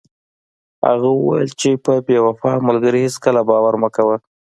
هغه وویل چې په بې وفا ملګري هیڅکله باور مه کوه.